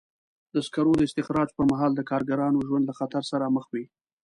د سکرو د استخراج پر مهال د کارګرانو ژوند له خطر سره مخ وي.